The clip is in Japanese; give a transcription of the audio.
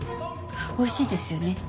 美味しいですよね